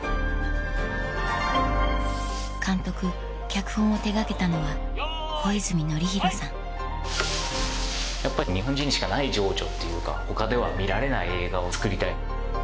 脚本を手掛けたのはやっぱり日本人にしかない情緒っていうか他では見られない映画を作りたい。